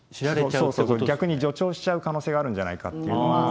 そうそうそう逆に助長しちゃう可能性があるんじゃないかっていうのが。